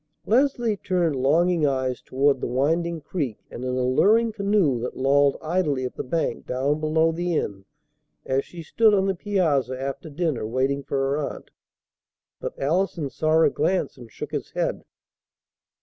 Leslie turned longing eyes toward the winding creek and an alluring canoe that lolled idly at the bank down below the inn as she stood on the piazza after dinner waiting for her aunt; but Allison saw her glance, and shook his head.